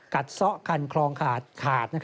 กัดเซาะกันคลองขาด